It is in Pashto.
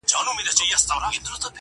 خلك پوه سول چي خبره د قسمت ده،